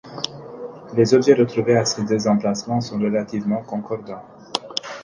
Les objets retrouvés à ces deux emplacements sont relativement concordants.